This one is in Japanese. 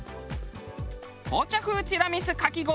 紅茶風ティラミスかき氷